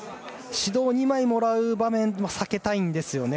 指導を２枚もらう場面を避けたいんですね。